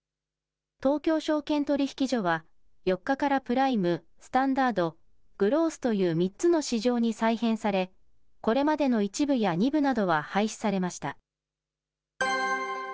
東京証券取引所は、４日からプライム、スタンダード、グロースという３つの市場に再編され、これまでの１部や２部などは廃止されました。